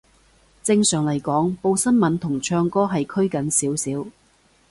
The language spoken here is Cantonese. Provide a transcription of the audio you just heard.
正常嚟講，報新聞同唱歌係拘謹少少